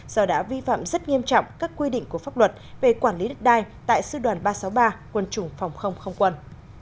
do đã vi phạm rất nghiêm trọng các quy định của pháp luật về quản lý đất đai tại sư đoàn ba trăm sáu mươi ba quân chủng phòng không không quân